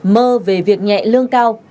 mơ về việc nhẹ lương cao